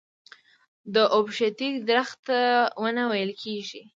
د اوبښتې درخته ونه ويل کيږي.